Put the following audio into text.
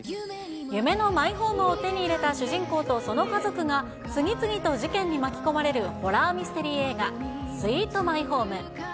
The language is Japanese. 夢のマイホームを手に入れた主人公とその家族が、次々と事件に巻き込まれるホラーミステリー映画、スイート・マイホーム。